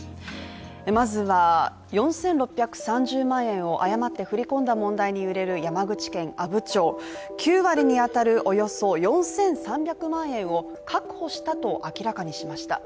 まずは、４６３０万円を誤って振り込んだ問題に揺れる山口県阿武町９割にあたるおよそ４３００万円を確保したと明らかにしました。